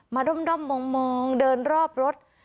ด้อมมองเดินรอบรถ